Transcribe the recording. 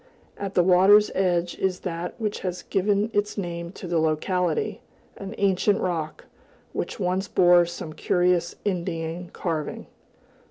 At the water's edge is that which has given its name to the locality, an ancient rock, which once bore some curious Indian carving.